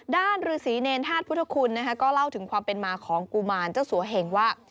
ฤษีเนรธาตุพุทธคุณก็เล่าถึงความเป็นมาของกุมารเจ้าสัวเหงว่า